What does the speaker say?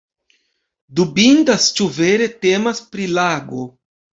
Dubindas ĉu vere temas pri lago.